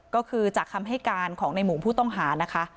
ก็คือจากคำให้การของในหมูผู้ต้องหานะคะ